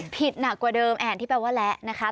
ผิดหนักกว่าเดิมอันที่แปลว่าและนะคะ